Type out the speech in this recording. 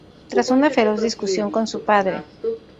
Tras una feroz discusión con su padre.